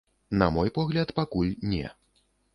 На мой погляд, пакуль не.